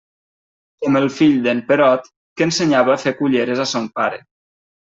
Com el fill d'en Perot, que ensenyava a fer culleres a son pare.